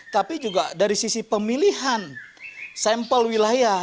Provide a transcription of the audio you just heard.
tapi juga dari sisi pemilihan sampel wilayah